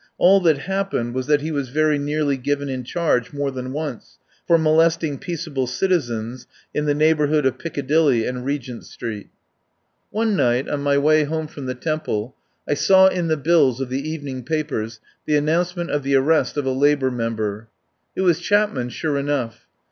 All that happened was that he was very nearly given in charge more than once for molesting peaceable citizens in the neighbourhood of Piccadilly and Regent Street. 1 20 I TAKE A PARTNER One night, on my way home from the Tem ple, I saw in the bills of the evening papers the announcement of the arrest of a Labour Member. It was Chapman, sure enough.